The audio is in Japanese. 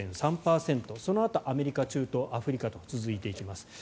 そのあとアメリカ、中東アフリカと続いていきます。